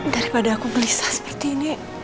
daripada aku beli sas piti ini